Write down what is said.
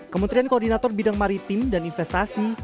kementerian koordinator bidang maritim dan investasi